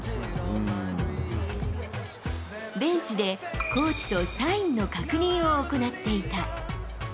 ベンチでコーチとサインの確認を行っていた。